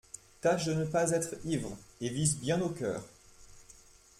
Tâche de ne pas être ivre, et vise bien au cœur.